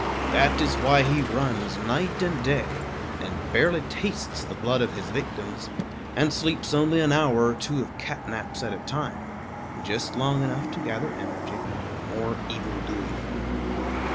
That is why he runs night and day, and barely tastes the blood of his victims, and sleeps only an hour or two of cat naps at a time just long enough to gather energy for more evil doing.